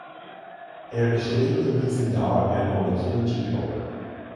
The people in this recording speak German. Er bestritt in diesem Jahr erneut den Giro.